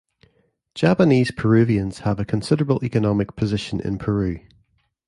Japanese Peruvians have a considerable economic position in Peru.